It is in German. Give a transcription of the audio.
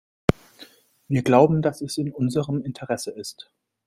Wir glauben, dass es in unserem Interesse ist.